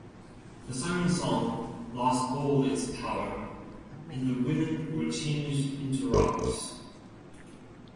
The Sirens' song lost all its power, and the women were changed into rocks.